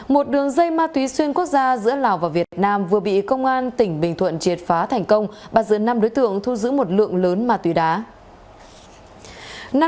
một đường dây ma túy xuyên quốc gia giữa lào và việt nam vừa bị công an tỉnh bình thuận triệt phá thành công bắt giữ năm đối tượng thu giữ một lượng lớn ma túy đá